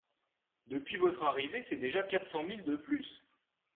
Depuis votre arrivée, c’est déjà quatre-cents-mille de plus.